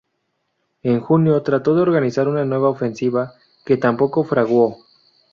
En junio trató de organizar una nueva ofensiva, que tampoco fraguó.